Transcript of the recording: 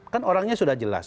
kan orangnya sudah jelas